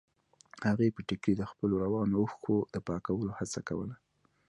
هغې په ټيکري د خپلو روانو اوښکو د پاکولو هڅه کوله.